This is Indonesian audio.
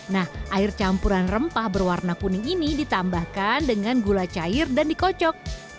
nah air campuran rempah berwarna kuning ini ditambahkan dengan gula cair dan dikocok